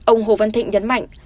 ông hồ văn thịnh nhấn mạnh